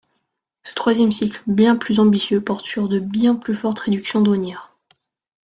Ce troisième cycle bien plus ambitieux porte sur de bien plus fortes réductions douanières.